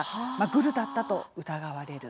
グルだったと疑われる。